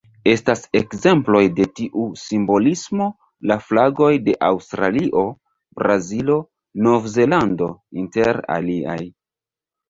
Estas ekzemploj de tiu simbolismo la flagoj de Aŭstralio, Brazilo, Novzelando, inter aliaj.